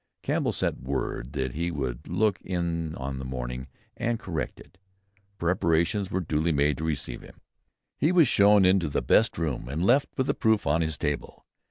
Campbell sent word that he would look in in the morning and correct it. Preparations were duly made to receive him; he was shown into the best room, and left with the proof on his table.